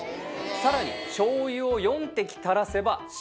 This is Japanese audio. さらにしょうゆを４滴垂らせば白ワイン。